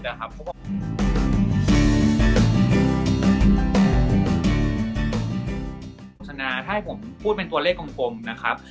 คุณชนะถ้าให้ผมพูดเป็นตัวเลขกลมนะครับ